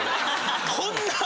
こんな。